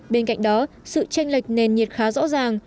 bên cạnh đó sự tranh lệch nền nhiệt khá rõ ràng